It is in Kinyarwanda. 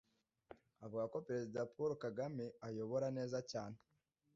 Avuga ko Perezida Kagame ayobora neza cyane